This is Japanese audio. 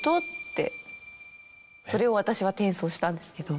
それを私は転送したんですけど。